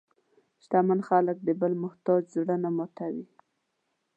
شتمن خلک د بل محتاج زړه نه ماتوي.